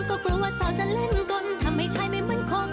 ก็กลัวว่าสาวจะเล่นกลทำไมชายไม่เหมือนคน